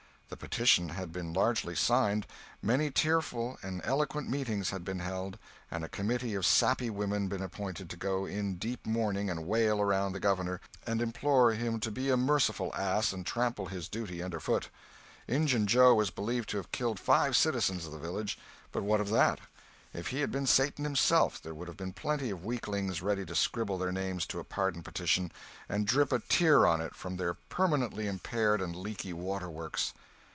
The petition had been largely signed; many tearful and eloquent meetings had been held, and a committee of sappy women been appointed to go in deep mourning and wail around the governor, and implore him to be a merciful ass and trample his duty under foot. Injun Joe was believed to have killed five citizens of the village, but what of that? If he had been Satan himself there would have been plenty of weaklings ready to scribble their names to a pardon petition, and drip a tear on it from their permanently impaired and leaky water works.